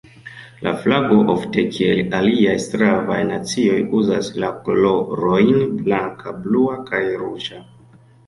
La flago, ofte kiel aliaj slavaj nacioj, uzas la kolorojn blanka, blua kaj ruĝa.